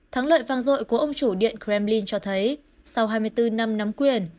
thắng lợi vang dội của ông chủ điện kremlin cho thấy sau hai mươi bốn năm nắm quyền